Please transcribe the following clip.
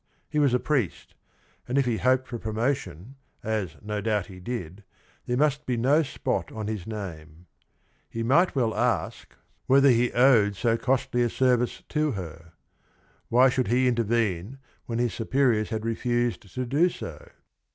He was a priest, and if he hoped for promotion, as no doubt he did, there must be no spot on his name. He might well ask whether 102 THE RING AND THE BOOK he owed so costly a service to her. Why should he intervene when his superiors had refused to do so?